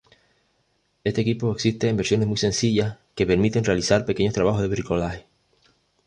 Este equipo existe en versiones muy sencillas que permiten realizar pequeños trabajos de bricolaje.